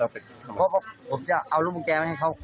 ผมจะเอารุ่นแก้วให้เขา